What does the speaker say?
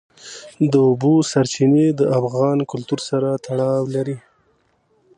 د اوبو سرچینې د افغان کلتور سره تړاو لري.